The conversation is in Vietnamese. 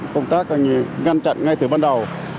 công tác ngăn chặn ngay từ ban đầu